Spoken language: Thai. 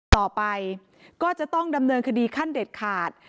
ต่อไปก็จะต้องดำเนินคดีขั้นเด็ดขาด